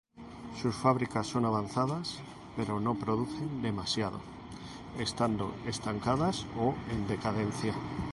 Sus fábricas son avanzadas pero no producen demasiado, estando estancadas o en decadencia.